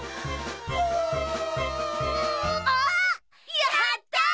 やった！